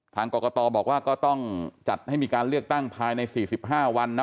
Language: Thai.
ทางกรกตบอกว่าก็ต้องจัดให้มีการเลือกตั้งภายใน๔๕วันนะ